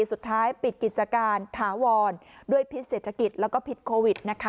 สุดท้ายปิดกิจการถาวรด้วยพิษเศรษฐกิจแล้วก็พิษโควิดนะคะ